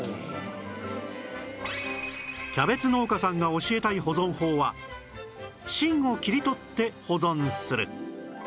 キャベツ農家さんが教えたい保存法は芯を切り取って保存する